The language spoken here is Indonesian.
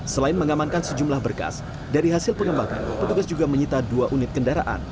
selain mengamankan sejumlah berkas dari hasil pengembangan petugas juga menyita dua unit kendaraan